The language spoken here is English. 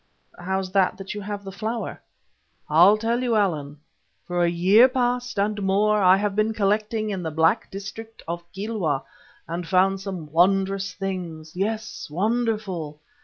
"How's that as you have the flower?" "I'll tell you, Allan. For a year past and more I have been collecting in the district back of Kilwa and found some wonderful things, yes, wonderful.